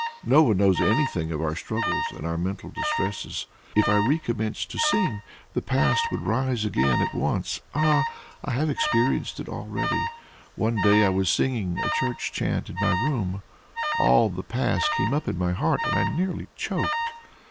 No one knows anything of our struggles and our mental distresses. If I recommenced to sing, the past would rise again at once. Ah! I have experienced it already; one day I was singing a church chant in my room; all the past came up in my heart, and I nearly choked.